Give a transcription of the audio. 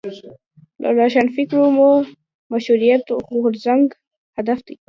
له روښانفکرۍ مو مشروطیت غورځنګ هدف دی.